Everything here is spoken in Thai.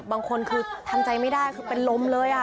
บางคนคือทำใจไม่ได้คือเป็นลมเลย